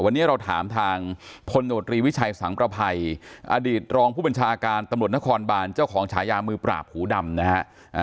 วันนี้เราถามทางพลโนตรีวิชัยสังประภัยอดีตรองผู้บัญชาการตำรวจนครบานเจ้าของฉายามือปราบหูดำนะฮะ